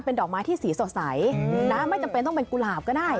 ดอกไม้ที่สีสดใสนะไม่จำเป็นต้องเป็นกุหลาบก็ได้